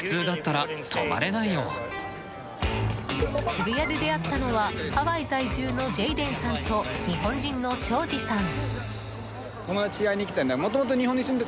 渋谷で出会ったのはハワイ在住のジェイデンさんと日本人のしょうじさん。